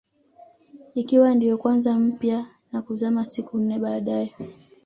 Ikiwa ndio kwanza mpya na kuzama siku nne baadae